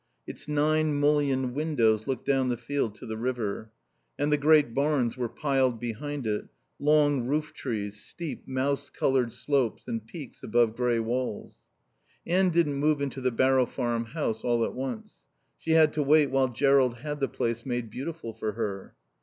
Its nine mullioned windows looked down the field to the river. And the great barns were piled behind it, long roof trees, steep, mouse coloured slopes and peaks above grey walls. Anne didn't move into the Barrow Farm house all at once. She had to wait while Jerrold had the place made beautiful for her.